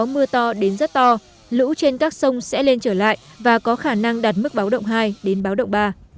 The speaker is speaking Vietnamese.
nguy cơ gọi đến rất to lũ trên các sông sẽ lên trở lại và có khả năng đạt mức báo động hai đến báo động ba